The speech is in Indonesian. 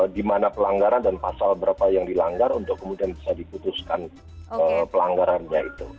di mana pelanggaran dan pasal berapa yang dilanggar untuk kemudian bisa diputuskan pelanggarannya itu